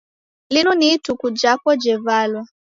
Linu ni ituku japo jevalwa.